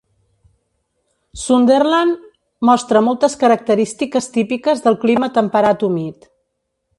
Sunderland mostra moltes característiques típiques del clima temperat humit.